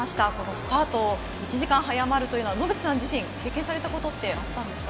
スタートが１時間早まるというのは野口さん自身、経験されたことはあったんですか？